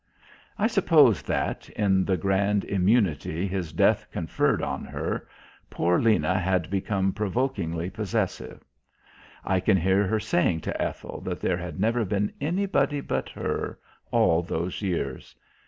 I suppose that, in the grand immunity his death conferred on her, poor Lena had become provokingly possessive. I can hear her saying to Ethel that there had never been anybody but her, all those years.